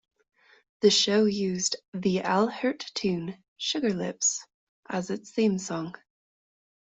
The show used the Al Hirt tune "Sugar Lips" as its theme song.